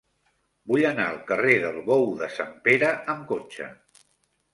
Vull anar al carrer del Bou de Sant Pere amb cotxe.